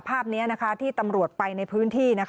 ภาพนี้ที่ตำรวจไปในพื้นที่